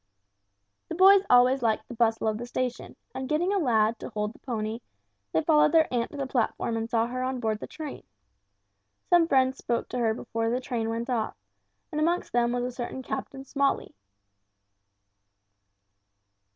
The boys always liked the bustle of the station; and getting a lad to hold the pony, they followed their aunt to the platform and saw her on board the train. Some friends spoke to her before the train went off and amongst them was a certain Captain Smalley.